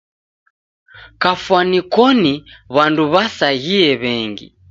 Kafwani koni w'andu w'asaghie w'engi.